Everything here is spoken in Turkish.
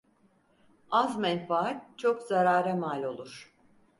Az menfaat çok zarara mal olur.